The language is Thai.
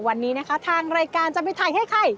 วันนี้นะคะทางรายการจะไปถ่ายให้ใคร